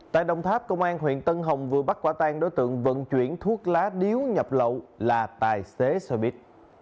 tại đồng tháp công an huyện tân hồng vừa bắt quả tan đối tượng vận chuyển thuốc lá điếu nhập lậu là tài xế xe buýt